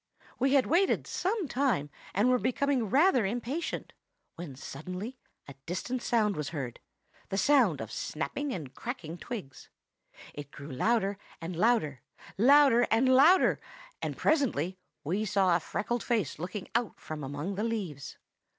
We had waited some time, and were becoming rather impatient, when suddenly a distant sound was heard; the sound of snapping and cracking twigs. It grew louder and louder, louder and louder; and presently we saw a freckled face looking out from among the leaves.